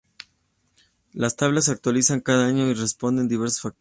Las tablas se actualizan cada año y dependen de diversos factores.